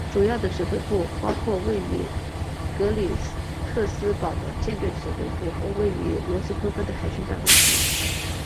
主要的指挥部包括位于格吕克斯堡的舰队指挥部和位于罗斯托克的海军办公室。